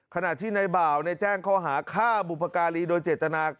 ขณะที่ในบ่าวแจ้งข้อหาฆ่าบุพการีโดยเจตนา